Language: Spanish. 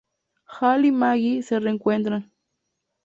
Hal y Maggie se reencuentran.